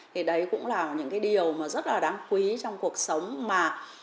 thì đấy cũng là những cái điều mà rất là đáng quý trong cuộc sống mà